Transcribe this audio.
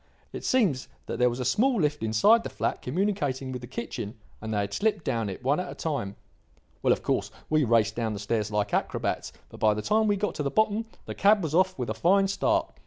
It seems that there was a small lift inside the flat communicating with the kitchen, and they had slipped down it one at a time. "Well, of course, we raced down the stairs like acrobats, but by the time we got to the bottom the cab was off with a fine start.